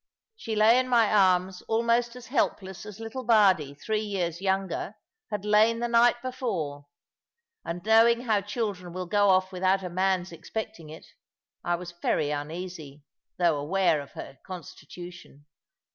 She lay in my arms almost as helpless as little Bardie, three years younger, had lain the night before; and knowing how children will go off without a man's expecting it, I was very uneasy, though aware of her constitution.